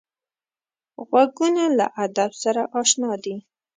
غوږونه له ادب سره اشنا دي